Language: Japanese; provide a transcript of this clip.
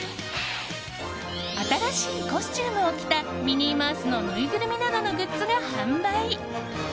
新しいコスチュームを着たミニーマウスのぬいぐるみなどのグッズが販売。